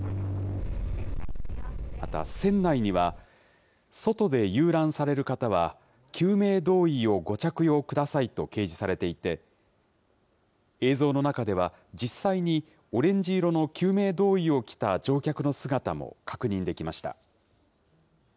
また、船内には外で遊覧される方は、救命胴衣をご着用くださいと掲示されていて、映像の中では、実際にオレンジ色の救命胴衣を着た乗客の姿も確認できました。